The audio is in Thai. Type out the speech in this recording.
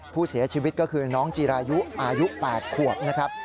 ผู้เสียชีวิตก็คือน้องจีรายุอายุ๘ขวบนะครับ